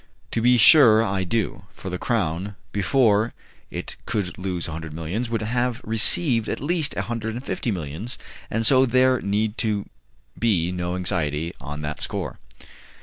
"To be sure I do, for the Crown, before it could lose a hundred millions, would have received at least a hundred and fifty millions, and so there need be no anxiety on that score."